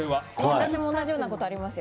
私も同じようなことありますよ。